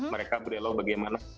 mereka berdialog bagaimana